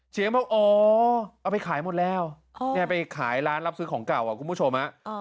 เสียงบอกอ๋อเอาไปขายหมดแล้วไปขายร้านรับซื้อของเก่าคุณผู้ชม